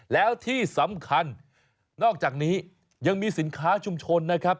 แล้วที่สำคัญนอกจากนี้ยังมีสินค้าชุมชนนะครับ